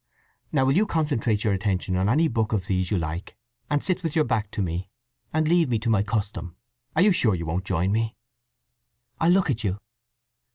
Now will you concentrate your attention on any book of these you like, and sit with your back to me, and leave me to my custom? You are sure you won't join me?" "I'll look at you."